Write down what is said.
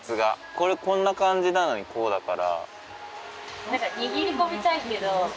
これこんな感じなのにこうだから。